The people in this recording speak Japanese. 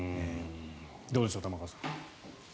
どうでしょう、玉川さん。